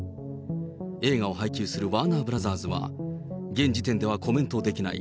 映画を配給するワーナーブラザーズは、現時点ではコメントできない。